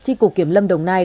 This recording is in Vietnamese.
chi cụ kiểm lâm đồng nai